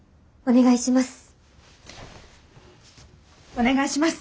お願いします。